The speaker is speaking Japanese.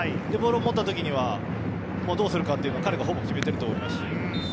ボールを持ったときにはどうするかっていうのは彼がほぼ決めてると思いますし。